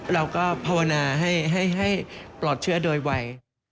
เราก็ภาวนาให้ปลอดเชื้อโดยวัย